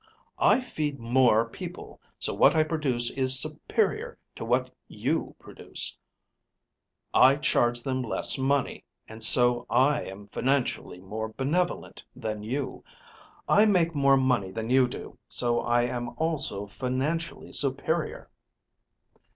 I feed more people, so what I produce is superior to what you produce. I charge them less money, and so I am financially more benevolent than you. I make more money than you do, so I am also financially superior.